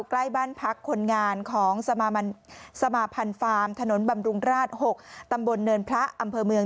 ใกล้บ้านพักคนงานของสมาพันธ์ฟาร์มถนนบำรุงราช๖ตำบลเนินพระอำเภอเมือง